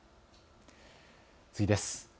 次です。